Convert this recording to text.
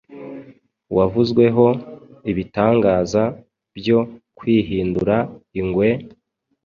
wavuzweho ibitangaza byo kwihindura ingwe,